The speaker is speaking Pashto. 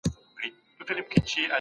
وروسته تجارت، کسب او حرفه ور وښووئ،